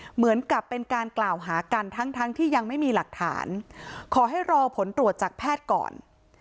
เหมือนกับเป็นการกล่าวหากันทั้งทั้งที่ยังไม่มีหลักฐานขอให้รอผลตรวจจากแพทย์ก่อน